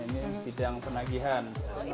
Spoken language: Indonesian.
ini bidang penagihan